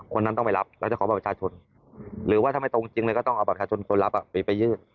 คนนั้นต้องไปรับแล้วจะขอบัตรประชาชนหรือว่าถ้าไม่ตรงจริงเลยก็ต้องเอาบัตรประชาชนคนรับไปยื่น